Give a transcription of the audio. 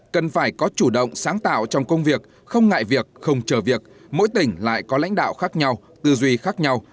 tại việc không chờ việc mỗi tỉnh lại có lãnh đạo khác nhau tư duy khác nhau